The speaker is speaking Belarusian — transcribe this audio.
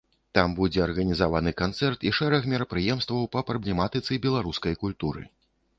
Там будзе арганізаваны канцэрт і шэраг мерапрыемстваў па праблематыцы беларускай культуры.